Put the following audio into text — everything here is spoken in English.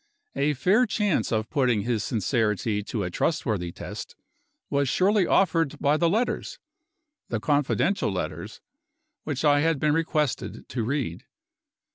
A fair chance of putting his sincerity to a trustworthy test, was surely offered by the letters (the confidential letters) which I had been requested to read.